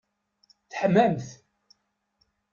Teḥmamt!